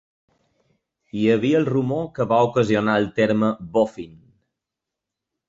Hi havia el rumor que va ocasionar el terme "boffin".